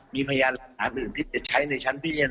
มีพยานหลักฐานอื่นที่จะใช้ในชั้นพิจารณา